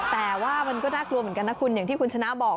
แต่ว่ามันก็น่ากลัวเหมือนกันนะคุณอย่างที่คุณชนะบอก